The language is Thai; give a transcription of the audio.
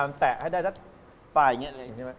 ว๋ใช่เนี่ย